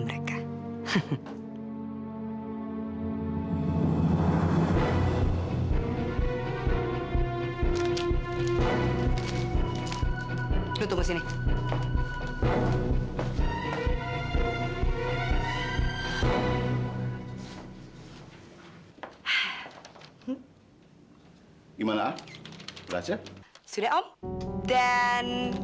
mbak juga sudah siap kan